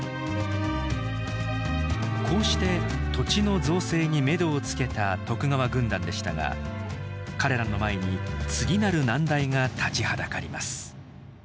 こうして土地の造成にめどをつけた徳川軍団でしたが彼らの前に次なる難題が立ちはだかります。